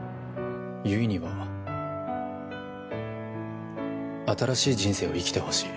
悠依には新しい人生を生きてほしい。